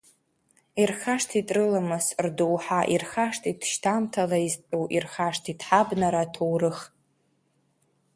Ирхашҭит рыламыс, рдоуҳа, ирхашҭит шьҭамҭала изтәу ирхашҭит ҳабнара аҭоурых…